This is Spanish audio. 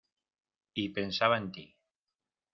y pensaba en ti.